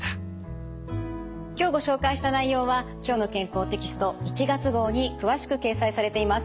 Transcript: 今日ご紹介した内容は「きょうの健康」テキスト１月号に詳しく掲載されています。